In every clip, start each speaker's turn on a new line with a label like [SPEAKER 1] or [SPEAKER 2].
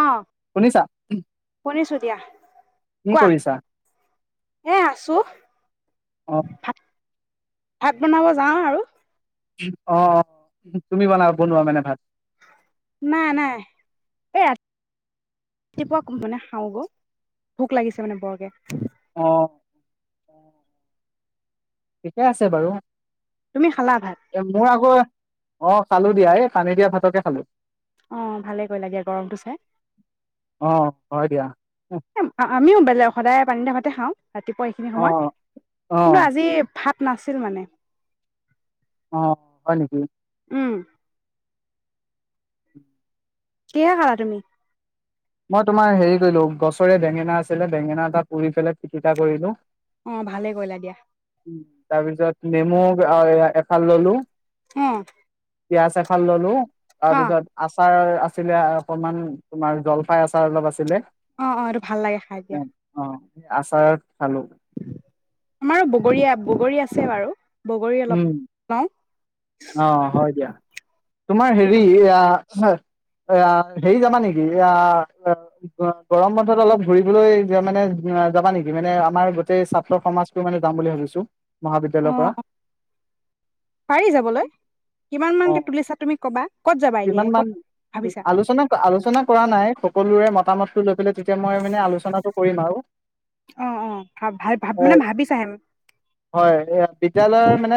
[SPEAKER 1] অঁ
[SPEAKER 2] শুনিছা
[SPEAKER 1] শুনিছো দিয়া
[SPEAKER 2] কি
[SPEAKER 1] কোৱা
[SPEAKER 2] কৰিছা
[SPEAKER 1] এ আছো
[SPEAKER 2] অ
[SPEAKER 1] ভাত বনাব যাওঁ আৰু
[SPEAKER 2] অঁ অঁ তুমি বনা বনোৱা মানে ভাত
[SPEAKER 1] নাই নাই এই ৰাতি ৰাতিপুৱা মানে খাওঁ গ ভোক লাগিছে মানে বৰকে
[SPEAKER 2] আঁহ ঠিকে আছে বাৰু [unintelligible]
[SPEAKER 1] তুমি খালা, ভাত
[SPEAKER 2] অঁ খালো দিয়া এই পানী দিয়া ভাতকে খালো
[SPEAKER 1] অঁ ভালে কৈ লাগে গৰমটো চাই
[SPEAKER 2] অ হয় দিয়া
[SPEAKER 1] আমিও বেলেগ সদায় পানী দে [unintelligible] এ হা ৰাতিপুৱা এইখিনি
[SPEAKER 2] অ
[SPEAKER 1] সময়ত
[SPEAKER 2] অ
[SPEAKER 1] কিন্তু আজি, ভাত নাছিল মানে [unintelligible]
[SPEAKER 2] অঁ হয় নেকি [unintelligible]
[SPEAKER 1] উম কিহে খালা তুমি
[SPEAKER 2] মই তোমাৰ হেৰি কৰিলো গছৰে বেঙেনা আছিলে বেঙেনা এটা পুৰি পেলাই িকটা কৰিলো [unintelligible]
[SPEAKER 1] অঁ, ভালে কৰিলা দিয়া
[SPEAKER 2] তাৰপিছত নেমু এফাল ললো [unintelligible]
[SPEAKER 1] হম
[SPEAKER 2] পিয়াজ এখনাল ললো তাৰ পিছত আচাৰ আছিলে অকন মান তোমাৰ জল পাই আচাৰ অলপ আছিলে
[SPEAKER 1] অঁ, অঁ এটো ভাল লাগে খাই দিয়া
[SPEAKER 2] আচাৰত খালো
[SPEAKER 1] আমাৰো বগৰী আছে বাৰু বগৰী অলপ
[SPEAKER 2] উম
[SPEAKER 1] লওঁ
[SPEAKER 2] অঁ হয় দিয়া তোমাৰ হেৰি এইয়া, এইয়া হেৰি যাবা নেকি, এ গৰম বন্ধত অলপ ঘুৰিবলৈ মানে যাবা নেকি, মানে আমাৰ গোটেই ছাত্ৰ সমাজ মানে যাম বুলি ভাবিছো।
[SPEAKER 1] অ
[SPEAKER 2] মহাবিদ্যালয়ৰ পৰা
[SPEAKER 1] পাৰি যাবলৈ কিমান
[SPEAKER 2] অ
[SPEAKER 1] মানকে তুলিছা তুমি কবা ক'ত যাবা এনে
[SPEAKER 2] কিমান মান
[SPEAKER 1] ক'ত ভাবিছা
[SPEAKER 2] আলোচনা আলোচনা কৰা নাই সকলোৰে মতামতটো লৈ পেলাই তেতিয়া মই মানে আলোচনাটো কৰিম আৰু,
[SPEAKER 1] অ অ ভাব ভাল ভাব
[SPEAKER 2] এ
[SPEAKER 1] মানে ভাবিছাহে
[SPEAKER 2] হয় এ বিদ্য়ালয়ৰ মানে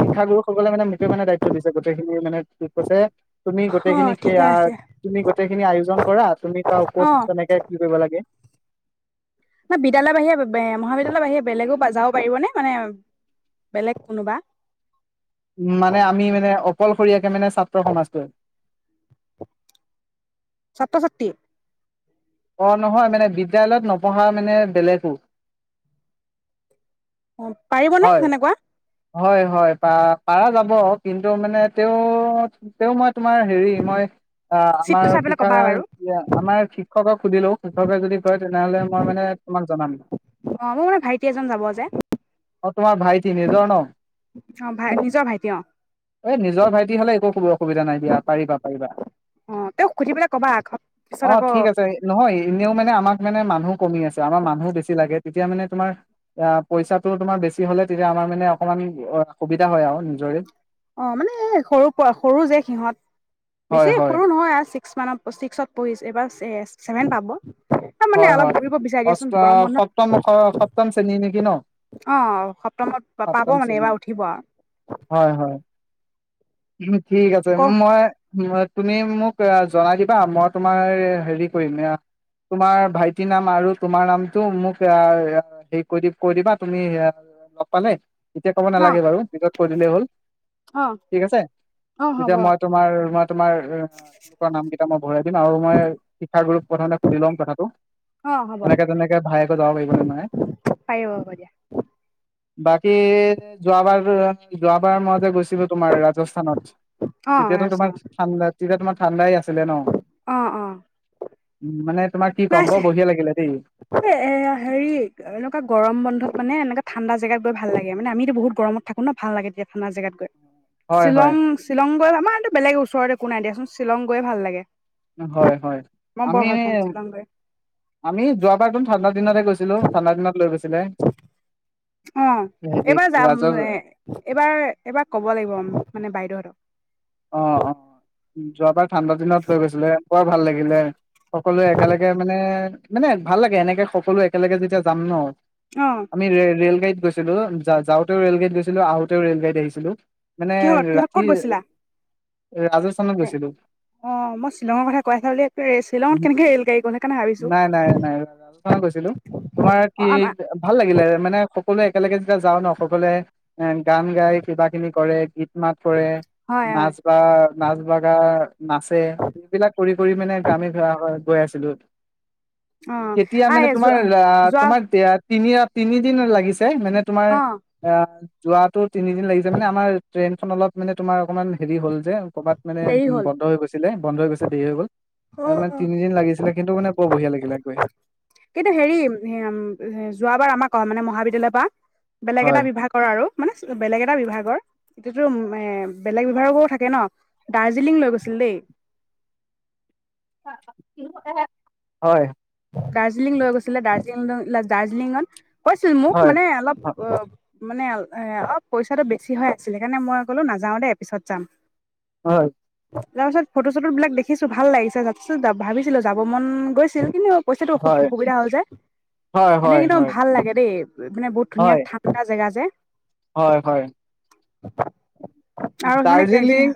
[SPEAKER 2] শিক্ষাগুৰুসকলে মানে মুটে মানে দায়িত্ব দিছে গোটেই সেইমানে কি কৈছে তুমি
[SPEAKER 1] অ ঠিকে আছে
[SPEAKER 2] গোটেখিনি আয়োজন কৰা তুমি ক'ত
[SPEAKER 1] অ
[SPEAKER 2] কেনেকে কি কৰিব লাগে তে
[SPEAKER 1] বিদ্যালয় বাহিৰে মহাবিদ্যালয়ৰ বাহিৰে বেলেগো যাব পাৰিবনে মানে বেলেগ কোনোবা
[SPEAKER 2] উ মানে আমি মানে অকলশৰীয়াকে মানে ছাত্ৰ সমাজটোৱে
[SPEAKER 1] ছাত্ৰ ছাত্ৰী
[SPEAKER 2] অ নহয় মানে বিদ্যালয়ত নপঢ়া মানে বেলেগো
[SPEAKER 1] অ পাৰিবনে
[SPEAKER 2] হয়,
[SPEAKER 1] সেনেকোৱা
[SPEAKER 2] হয় হয় প পাৰা যাব কিন্তু মানে তেওঁ তেওঁ মই তোমাৰ হেৰি মই অহ
[SPEAKER 1] চিটটো
[SPEAKER 2] আমাৰ
[SPEAKER 1] চাই পেলাই
[SPEAKER 2] শিক্ষা
[SPEAKER 1] ক'বা বাৰু
[SPEAKER 2] আমাৰ শিক্ষকক সুধিলো শিক্ষকে যদি কয় তেনেহলে মই মানে তোমাক জনাম
[SPEAKER 1] অ মোৰ মানে ভাইটি এজন যাব যে
[SPEAKER 2] অ তোমাৰ ভাইটি নিজৰ ন
[SPEAKER 1] অ ভাই নিজৰ ভাইটি অ
[SPEAKER 2] এ নিজৰ ভাইটি হলে একো কব অসুবিধা নাই দিয়া পাৰিবা পাৰিবা
[SPEAKER 1] অ তেওঁক সুধি পেলাই ক'বা আকৌ। পিছত
[SPEAKER 2] অ
[SPEAKER 1] আকৌ
[SPEAKER 2] ঠিক আছে নহয় এনেও মানে আমাক মানে মানুহো কমি আছে আমাৰ মানুহো বেছি লাগে তেতিয়া মানে তোমাৰ অহ পইচা তোমাৰ বেছি হ'লে তেতিয়া আমাৰ মানে অকমান অ সুবিধা হয় আৰু নিজৰে
[SPEAKER 1] অ মানে এ সৰু প সৰু যে সিহঁত
[SPEAKER 2] হয়
[SPEAKER 1] বেছি
[SPEAKER 2] হয়
[SPEAKER 1] সৰু নহয় আৰু ছিক্স মান ছিক্সত পঢ়িছ এবাৰ চেভেন পাব মানে
[SPEAKER 2] হয়
[SPEAKER 1] অলপ
[SPEAKER 2] হয়
[SPEAKER 1] ঘূৰিব বিচাৰি দিয়াচোন
[SPEAKER 2] অষ্ট
[SPEAKER 1] গৰম বন্ধ
[SPEAKER 2] সপ্তম সপ্তম শ্ৰেণী নেকি ন
[SPEAKER 1] অ সপ্তমত পাব
[SPEAKER 2] সপ্তম
[SPEAKER 1] মানে
[SPEAKER 2] শ্ৰেণী
[SPEAKER 1] এইবাৰ উঠিব আৰু
[SPEAKER 2] হয় হয় উম ঠিক আছে
[SPEAKER 1] ক
[SPEAKER 2] মই তুমি মোক জনাই দিবা মই তোমাৰ হেৰি কৰিম তোমাৰ ভাইটিৰ নাম আৰু তোমাৰ নামটো মোক এ হেৰি কৰি কৈ দিবা তুমি লগ পালে এতিয়া ক'ব
[SPEAKER 1] ন
[SPEAKER 2] নালাগে বাৰু ভিতত কৈ দিলেই হ'ল
[SPEAKER 1] অ
[SPEAKER 2] ঠিক আছে
[SPEAKER 1] অ হ'ব
[SPEAKER 2] তেতিয়া মই তোমাৰ তোমাৰ লোকৰ নামকেইটা মই ভৰাই দিম আৰু মই শিক্ষাগুৰু প্ৰধানক সুধ লম কথাটো
[SPEAKER 1] অ হ'ব
[SPEAKER 2] তেনেকে তেনেকে ভায়েকে যাব পাৰিবনে মানে
[SPEAKER 1] পাৰিব হ'ব দিয়া
[SPEAKER 2] বাকী যোৱাবাৰ যোৱাবাৰ মত গৈছিলো তোমাৰ ৰাজস্থানত
[SPEAKER 1] অ
[SPEAKER 2] তেতিয়াতো তোমাৰ ঠাণ্ডাত তেতিয়া তোমাৰ ঠাণ্ডাই আছিলে ন
[SPEAKER 1] অ অ
[SPEAKER 2] উ মানে তোমাৰ কি কম
[SPEAKER 1] নাইছে
[SPEAKER 2] বৰ বঢ়িয়া লাগিলে দেই
[SPEAKER 1] এ এ হেৰি এনেকুৱা গৰম বন্ধত মানে এনেকা থা ঠণ্ডা জেগাত গৈ ভাল লাগো মানে বহুত গৰমত থাকো ন ভাল লাগে ঠাণ্ডা জেগাত গৈ
[SPEAKER 2] হয় হয়
[SPEAKER 1] শ্বিলং শ্বিলং গৈ আমাৰ এইটো বেলেগ ওচৰৰে একো নাই দিয়াচোন শ্বিলং গৈে ভাল লাগে
[SPEAKER 2] হয় হয়
[SPEAKER 1] মই বৰ
[SPEAKER 2] আমি
[SPEAKER 1] ভাল পাম শ্বিলং গৈ
[SPEAKER 2] আমি যোৱাৰ কিন্তু ঠাণ্ড দিনতে গৈছে শ্বিলঙত ঠাণ্ডা দিনত লৈ গৈছিলে।
[SPEAKER 1] অ ',
[SPEAKER 2] হেৰিত
[SPEAKER 1] এইবাৰ যাম
[SPEAKER 2] ৰাজ
[SPEAKER 1] এইবাৰ- এইবাৰ কব লাগিব মানে বাইদেউহতক।
[SPEAKER 2] অ ', - অ ', যোৱাবাৰ ঠাণ্ডাদিনত লৈ গছিলে বৰ ভাল লাগে। কিলাৰ, সকলোৱে একেলগে মানে, মানে ভাল লাগে এনেকে সকলো একেলগে যেতিয়া যাম ন',।
[SPEAKER 1] অ
[SPEAKER 2] আমি ৰেলগাড়ীত, - গৈছিলো যাওঁতেও ৰে'লগাড়ীত গৈছিলো আহোতেও ৰে'লগাড়ীত আহিছিলো। মানে
[SPEAKER 1] কিহত- কিহত
[SPEAKER 2] ৰাতি
[SPEAKER 1] ক'ত গৈছিলা?
[SPEAKER 2] ৰাজস্থানত
[SPEAKER 1] এ
[SPEAKER 2] গৈছিলো
[SPEAKER 1] অ মই শ্বিলঙৰ কথা কৈ আছা বুলি শ্বিলঙত কেনেকে ৰেল গাড়ী গ'ল সেইকাৰণে ভাবিছো
[SPEAKER 2] নাই- নাই- নাই ৰাজস্থানত গৈছিলো। তোমাৰ
[SPEAKER 1] অ
[SPEAKER 2] কি
[SPEAKER 1] আমাৰ
[SPEAKER 2] ভাল লাগিলে মানে, সকলোৱ একেলগে যেতিয়া যাওঁ ন', সকলোৱে এ, গান গাই কিবা কিনি কৰে গীত - মাত, কৰে।
[SPEAKER 1] হয়
[SPEAKER 2] নাচ
[SPEAKER 1] হয়
[SPEAKER 2] বা, নাচ বা গা, নাচে, এইবিলাক কৰি কৰি মানে গামী গৈ আছিলো।
[SPEAKER 1] অ
[SPEAKER 2] তেতিয়া
[SPEAKER 1] আই
[SPEAKER 2] মানে তোমাৰ
[SPEAKER 1] যোৱা
[SPEAKER 2] আহ',
[SPEAKER 1] যোৱা
[SPEAKER 2] তোমাৰ ইয়াত, তিনি- তিনিদিন লাগিছে। টেই মানে তোমাৰ
[SPEAKER 1] অ
[SPEAKER 2] আহ', যোৱাটো, তিনিদিন লাগিছে মানে আমাৰ, ট্ৰেইনখন অলপ মানে তোমাৰ, অকমান হেৰি হ'ল যে, কৰ'বাত মানে
[SPEAKER 1] দেৰি হল।
[SPEAKER 2] বন্ধ হৈ গৈছিলে বন্ধ হৈ গৈছে দেৰি হৈ গ'ল মানে তিনিদিন লাগিছিলে কিন্তু মানে বৰ বঢ়িয়া লাগিলে গৈ
[SPEAKER 1] কিন্তু হেৰি যোৱাবাৰ আমাক ক, মানে, মহাবিদ্যালয় পা, বেলেগ এটা
[SPEAKER 2] হয়
[SPEAKER 1] বিভাগৰ আৰু মানে বেলেগ এটা বিভাগৰ, এইটোতো মে, বেলেগ ব্যৱহাৰ বোৰো থাকে ন ',? দাৰ্জিলিং লৈ গৈছিল দেই।
[SPEAKER 2] হয়।
[SPEAKER 1] দাৰ্জিলিং লৈ গৈছিলে, দাৰ্জিলিঙ- দাৰ্জিলিঙত কৈছিল মোক
[SPEAKER 2] হয়
[SPEAKER 1] মানে অলপ অ', মানে এ, অলপ পইচাটো বেছি হৈ আছিলে সেইকাৰণে মই ক'লো নাযাও দেই পিছত যাম।
[SPEAKER 2] হয়।
[SPEAKER 1] তাৰ পিছত ফটো - চটো বিলাক দেখিছো ভাল লাগিছে যাতে ভাবিছিলো যাব মন গৈছিল কিন্তু, পইচাটো
[SPEAKER 2] হয়
[SPEAKER 1] অসু সুবিধা হল যে
[SPEAKER 2] হয়
[SPEAKER 1] এনে
[SPEAKER 2] হয়
[SPEAKER 1] কিন্তু
[SPEAKER 2] হয়
[SPEAKER 1] ভাল লাগে দেই মানে বহুত ধুনীয়া
[SPEAKER 2] হয়
[SPEAKER 1] ঠাণ্ডা জেগা যে
[SPEAKER 2] হয় হয়
[SPEAKER 1] আৰু মানে
[SPEAKER 2] দাৰ্জিলিং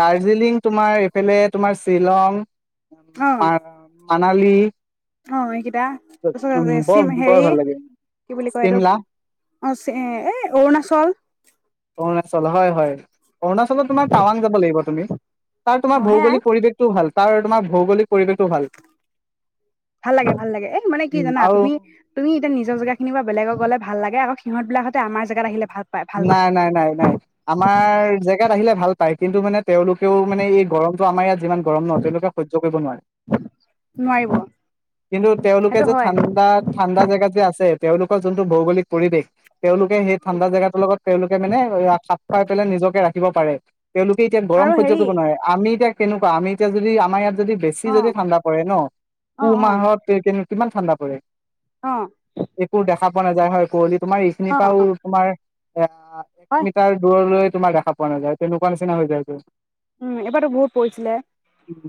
[SPEAKER 2] দাৰ্জিলিং তোমাৰ এইফালে তোমাৰ শ্বিলং উ
[SPEAKER 1] অ
[SPEAKER 2] [inaudible] মাণালী
[SPEAKER 1] অ এই এ তাৰপিছত চি
[SPEAKER 2] বৰ
[SPEAKER 1] হেৰি
[SPEAKER 2] ভাল লাগে
[SPEAKER 1] কি বুলি কয় এইটো
[SPEAKER 2] চিমলা
[SPEAKER 1] অ চ এ অৰুণাচল
[SPEAKER 2] অৰুণাচল হয় হয় অৰুণাচলত তোমাৰ টাৱাং যাব লাগিব তুমি তাৰ তোমাৰ
[SPEAKER 1] অ সেয়াই
[SPEAKER 2] ভৌগোলিক পৰিৱেশটোও ভাল তাৰ তোমাৰ ভৌগোলিক পৰিৱেশটো ভাল
[SPEAKER 1] ভাল লাগে ভাল লাগে এ মানে কি
[SPEAKER 2] উম
[SPEAKER 1] জানা
[SPEAKER 2] আৰু
[SPEAKER 1] তুমি তুমি এতিয়া নিজৰ জেগা খিনিৰ পৰা বেলেগক গ'লে ভাল লাগে এয়া আক সিহতবিলাকতে আমাৰ াত আহে ভাত [inaudible]
[SPEAKER 2] নাই নাই নাই নাই আমাৰ যে ইয়াত আহিলে ভাল পায় কিন্তু মানে তেওঁলোকেও মানে এই গৰমটো আমাৰ ইয়াত যিমান গৰম ন তেওঁলোকে সহ্য কৰিব নোৱাৰে
[SPEAKER 1] নোৱাৰিব
[SPEAKER 2] কিন্তু তেওঁলোকে
[SPEAKER 1] সেইটো
[SPEAKER 2] যে
[SPEAKER 1] হয়
[SPEAKER 2] ঠাণ্ডা ঠাণ্ডা জেগাত যে আছে তেওঁলোকৰ যোনটো ভৌগোলিক পৰিৱেশ তেওঁলোকে সেই ঠাণ্ডা জেগাত লগত তেওঁলোকে মানে চাফ খুৱাই পেলাই নিজকে ৰাখিব পাৰে তেওঁলোকে এতিয়া গৰম
[SPEAKER 1] আৰু
[SPEAKER 2] সহ্য
[SPEAKER 1] হেৰি
[SPEAKER 2] কৰিব নোৱাৰে আমি এতিয়া তেনেকুৱা আমি এতিয়া যদি আম ইয়াত যদি বেছি
[SPEAKER 1] অ
[SPEAKER 2] যদি ঠাণ্ডা পৰে ন
[SPEAKER 1] অ
[SPEAKER 2] পুহ
[SPEAKER 1] অ
[SPEAKER 2] মাহত কে কিমান ঠাণ্ডা পৰে
[SPEAKER 1] অ
[SPEAKER 2] একো দেখা পোৱা নাযায় হয় কুঁৱলিত তোমাৰ
[SPEAKER 1] অ অ
[SPEAKER 2] এইখিনিৰ পৰাও তোমাৰ অ এক
[SPEAKER 1] হয়
[SPEAKER 2] মিটাৰ দূৰলৈ তোমাৰ দেখা পোৱা নাযায় তেনেকুৱা নিচিনা হৈ যায় যে
[SPEAKER 1] উম এবাৰো বহুত পৰিছিলে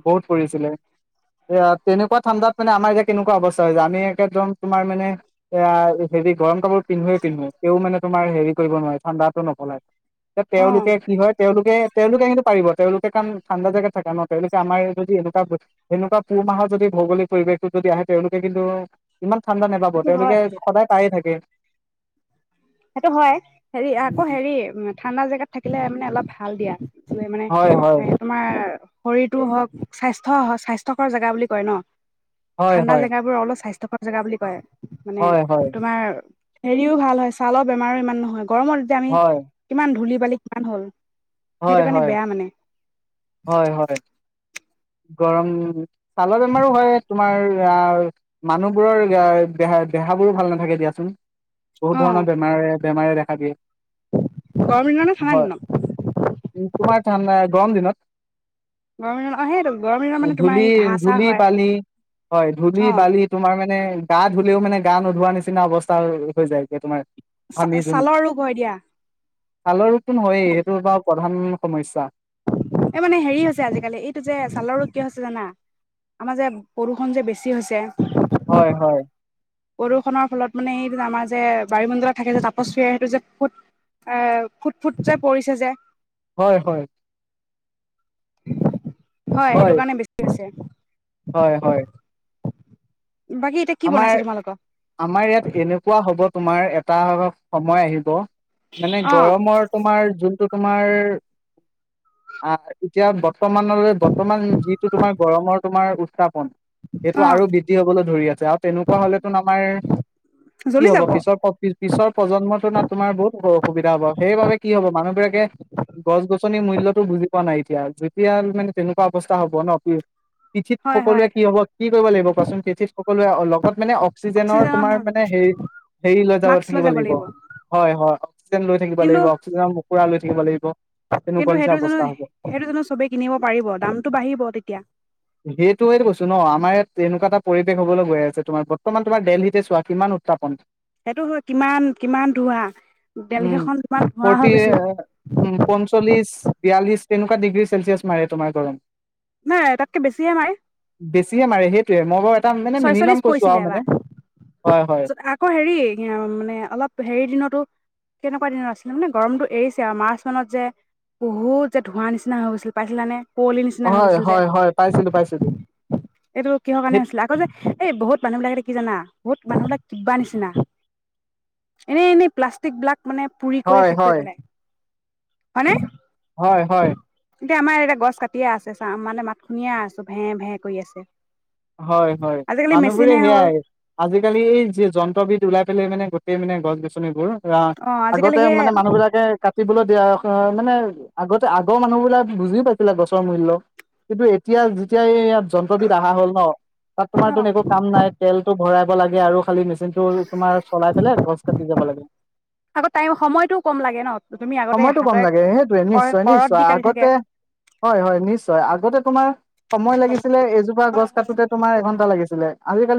[SPEAKER 2] বহুত পৰিছিলে এ তেনেকুৱা ঠাণ্ডাত মানে আমাৰ এতিয়া কেনেকুৱা অৱস্থা হৈ য আমি একেদম তোমাৰ মানে এ হেৰি গৰম কাপোৰ পিন্ধোৱ পিন্ধোৱেও মানে তোমাৰ হেৰি কৰিব নোৱাৰে ঠাণ্ডাটো নকলায়। এ
[SPEAKER 1] অ
[SPEAKER 2] তেওঁলোকে কি হয় তেওঁলোকে তেওঁলোকে কিন্তু পাৰিব তেওঁলোকে কাৰণ ঠাণ্ডা জেগাত থাকে ন তেওঁলোকে আমাৰ যদি এনেকুৱা এনেকুৱা পুহ মাহৰ যদি ভৌগলিক পৰিৱেশটো যদি আহে তেওঁলোকে কিন্তু ইমান ঠাণ্ডা নাপাব
[SPEAKER 1] সেইটো
[SPEAKER 2] তেওঁলোকে
[SPEAKER 1] হয়
[SPEAKER 2] সদায় পায়ে থাকে।
[SPEAKER 1] সেইটো হয় হেৰি আকৌ হেৰি ঠাণ্ডা জেগাত থাকিলে মানে অলপ। ভাল দিয়া। মানে
[SPEAKER 2] হয় হয়
[SPEAKER 1] তোমাৰ। শৰীৰটো হওক স্বাস্থ্য স্বাস্থ্যকৰ জেগা বুলি কয় ন
[SPEAKER 2] হয়
[SPEAKER 1] ঠাণ্ডা
[SPEAKER 2] হয়
[SPEAKER 1] জেগাব বোৰ অলপ স্বাস্থ্য জেগা বুলি কয়। মানে
[SPEAKER 2] হয় হয়
[SPEAKER 1] তোমাৰ হেৰিও ভাল হৈছে। ছালৰ বেমাৰো ইমান নহয়। গৰমত যেতিয়া আমি
[SPEAKER 2] হয়
[SPEAKER 1] কিমান ধূলি। পোৱালি কিমান হ'ল।
[SPEAKER 2] হয়
[SPEAKER 1] সেইটো কাৰণে
[SPEAKER 2] হয়
[SPEAKER 1] বেয়া মানে
[SPEAKER 2] হয় হয় গৰম। ছালৰ বেমাৰো হয় তোমাৰ আহ মানুহবোৰৰ দেহা দেহাবোৰো ভাল নাথাকে দিয়াচোন
[SPEAKER 1] অ
[SPEAKER 2] বহুত ধৰণৰ বেমাৰ বেমাৰে দেখা দিয়ে।
[SPEAKER 1] গৰম দিনত নে
[SPEAKER 2] হয়
[SPEAKER 1] ঠাণ্ডা
[SPEAKER 2] তোমাৰ
[SPEAKER 1] দিনত
[SPEAKER 2] গৰম দিনত
[SPEAKER 1] গৰম দিনত অ সেইটো গৰম দিনত মানে তোমাৰ
[SPEAKER 2] ধূলি
[SPEAKER 1] এই ঘাঁহ চাহ
[SPEAKER 2] ধূলি
[SPEAKER 1] হয়
[SPEAKER 2] বালি হয় ধূলি
[SPEAKER 1] অ
[SPEAKER 2] বালি তোমাৰ মানে মানে গা ধুলেও মানে গা নোধোৱা নিচিনা অৱস্থা হৈ যায় এতিয়া তোমাৰ
[SPEAKER 1] ছালৰ ৰোগ হয় দিয়া।
[SPEAKER 2] ভালৰ ৰপটো নহয়েই সেইটো বাৰ প্ৰধান সমস্যা।
[SPEAKER 1] এই মানে হেৰি হৈছে আজিকালি এইটো যে ছালৰোগ কিয় হৈছে জানা আমাৰ যে প্ৰদূষণ যে বেছি হৈছে
[SPEAKER 2] হয় হয়।
[SPEAKER 1] প্ৰদূষণৰ ফলত মানে এইটো আমাৰ যে বায়ুমণ্ডলত থাকে যে তাপচ সেইটো যে ফুট আহ ফুট ফুট যে পৰিছে যে
[SPEAKER 2] হয় হয়।
[SPEAKER 1] হয় সেইটো কাৰণে বেছি হৈছে
[SPEAKER 2] হয় হয়।
[SPEAKER 1] বাকী এতিয়া কি বনাইছে
[SPEAKER 2] আমাৰ
[SPEAKER 1] তোমালোকৰ?
[SPEAKER 2] আমাৰ ইয়াত এনেকুৱা হ'ব। তোমাৰ এটা সময় আহিব মানে
[SPEAKER 1] অ',
[SPEAKER 2] গৰমৰ তোমাৰ যোনটো তোমাৰ, আ, এতিয়া বৰ্তমানলৈ, বৰ্তমান যিটো তোমাৰ গৰমৰ, তোমাৰ উত্থাপন সেইটো
[SPEAKER 1] অ',
[SPEAKER 2] আৰু বৃদ্ধি হ'বলৈ ধৰি আছ আৰু তেনেকুৱা হ'লেতোন আমাৰ কি
[SPEAKER 1] জ্বলি
[SPEAKER 2] হ'ব?
[SPEAKER 1] যাব
[SPEAKER 2] পিছৰ, পিছৰ প্ৰজন্ম তোমাৰতোন, আপোনাৰ বহুত অসুবিধা হ'ব। সেইবাবে কি হ'ব, মানুহবিলাকে গছ-গছনিৰ মূল্যটো বুজি পোৱা নাই। এতিয়া যেতিয়া, মানে, তেনেকুৱা অৱস্থা হ'ব ন', ফিউ পৃথিৱীত
[SPEAKER 1] হয় হয়
[SPEAKER 2] সকলোৱে কি হ'ব, কি কৰিব লাগিব, কোৱাচোন। পৃথিৱীত সক সকলোৱে অলপ [unintelligible] মানে, অক্সিজেনৰ, তোমাৰ, মানে,
[SPEAKER 1] অক্সিজেনৰ
[SPEAKER 2] হেৰি-হেৰি লৈ যাব থাকিব লাগিব। হয়, হয়। অক্সিজেন লৈ থাকিব
[SPEAKER 1] কিন্তু
[SPEAKER 2] লাগিব। অক্সিজেনৰ কুকুৰা লৈ থাকিব লাগিব। তেনেকুৱা
[SPEAKER 1] কিন্তু
[SPEAKER 2] নিচিনা
[SPEAKER 1] সেইটো জানো
[SPEAKER 2] অৱস্থা হ'ব।
[SPEAKER 1] সেইটো জানো চবেই কিনিব পাৰিব দামটো বাঢ়িব তেতিয়া
[SPEAKER 2] সেইটোৱেইতো কৈছোঁ ন'। আমাৰ ইয়াত তেনেকুৱা এটা পৰিৱেশ হ'বলৈ গৈ আছে। তোমাৰ বৰ্তমান, তোমাৰ দেলহিতে চোৱা, কিমান উত্থাপন
[SPEAKER 1] সেইটো হয়। কিমান, কিমান ধোঁৱা!
[SPEAKER 2] উম
[SPEAKER 1] দিলহিখন তোমাৰ ধোঁৱা হৈ
[SPEAKER 2] ফৰ্টি
[SPEAKER 1] গৈছিলে
[SPEAKER 2] উম পঞ্চল্লিশ বিয়াল্লিশ তেনেকুৱা ডিগ্ৰী চেলচিয়াছ মাৰে, তোমাৰ গৰম
[SPEAKER 1] নাই, তাতকে বেছিয়েই মাৰে
[SPEAKER 2] বেছিয়েই মাৰে। সেইটোৱেই মই বৰ
[SPEAKER 1] ছয়চল্লিশ পৰিছিলে এবাৰ।
[SPEAKER 2] হয় হয়
[SPEAKER 1] আকৌ, হেৰি, অ', মানে, অলপ হেৰি দিনতো তেনেকুৱা দিনত আছিলে। মানে, গৰমটো এৰিছে আৰু মাৰ্চ মাহত যে বহুত যে ধোঁৱা নিচিনা হৈ গৈছিল, পাইছিলানে? কুঁৱলী নিচিনা হৈ
[SPEAKER 2] হয়,
[SPEAKER 1] গৈছিল যে
[SPEAKER 2] হয়, হয়। পাইছিলোঁ, পাইছিলোঁ।
[SPEAKER 1] এইটো কিহৰ কাৰণে হৈছিলে? আকৌ যে, এই বহুত মানুহবিলাক কি জানা? বহুত মানুহবিলাক কিবা নিচিনা এনে, এনে প্লাষ্টিক বিলাক মানে পুৰি কৰি
[SPEAKER 2] হয়
[SPEAKER 1] শেষ কৰি
[SPEAKER 2] হয়
[SPEAKER 1] পেলাই হয়নে?
[SPEAKER 2] হয়, হয়।
[SPEAKER 1] এতিয়া আমাৰ এতিয়া গছ কাটিয়ে আছে চা, মানে মাত শুনিয়ে আছো ভে, ভে কৰি আছ
[SPEAKER 2] হয়, হয় মানুহবোৰে
[SPEAKER 1] মেচিনে হ'ল
[SPEAKER 2] সেয়াই আজিকালি এই য-যন্ত্ৰ বিদ ওলাই পেলাই মানে গোটেই মানে গছনিবোৰ অ',
[SPEAKER 1] আজিকালি
[SPEAKER 2] আগতে
[SPEAKER 1] সেই
[SPEAKER 2] মানে মানুহ বিলাকে কাটিবলৈ দিয়া অ', মানে আগতে আগৰ মানুহবিলাক বুজিও পাইছিলে গছৰ মূল্য কিন্তু এতিয়া যেতিয়া এই যন্ত্ৰবিদ আহা হ'ল তাত তোমাৰটো
[SPEAKER 1] অ
[SPEAKER 2] একো কাম নাই তেলটো ভৰাব লাগে আৰু খালি মেচি মেচিনটো তোমাৰ চলাই পেলাই গছ কাটি যাব লাগে,
[SPEAKER 1] আকৌ টাইম সময়তটোও কম লাগে ন তুমি আগতে
[SPEAKER 2] সময়টো কম
[SPEAKER 1] হাতেৰে
[SPEAKER 2] লাগে সেইটোৱে।
[SPEAKER 1] কৰ
[SPEAKER 2] নিশ্চয়,
[SPEAKER 1] কৰত
[SPEAKER 2] নিশ্চয়
[SPEAKER 1] দি কাটি
[SPEAKER 2] আগতে
[SPEAKER 1] থাকে
[SPEAKER 2] হয়, হয় নিশ্চয় আগতে তোমাৰ সময় লাগিছিলে এইজোপা গছ কাটোতে তোমাৰ এঘণ্টা লাগিছিলে। আজিকালি